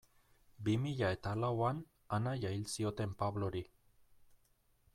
Bi mila eta lauan anaia hil zioten Pablori.